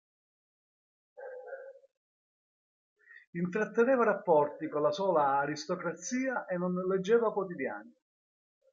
Intratteneva rapporti con la sola aristocrazia e non leggeva quotidiani.